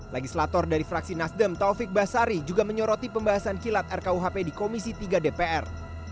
legislator dari fraksi nasdem taufik basari juga menyoroti pembahasan kilat rkuhp di komisi tiga dpr